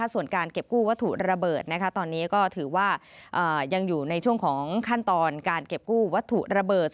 ส่วนการเก็บกู้วัตถุระเบิดตอนนี้ก็ถือว่ายังอยู่ในช่วงของขั้นตอนการเก็บกู้วัตถุระเบิด